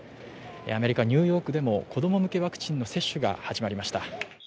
アメリカ・ニューヨークでも、子供向けワクチンの接種が始まりました。